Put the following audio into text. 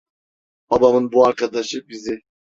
Babamın bu arkadaşı bizi.